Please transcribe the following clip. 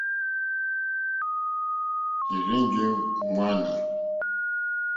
É rzènjé ŋmánà.